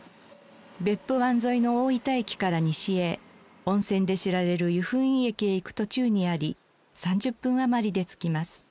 別府湾沿いの大分駅から西へ温泉で知られる由布院駅へ行く途中にあり３０分余りで着きます。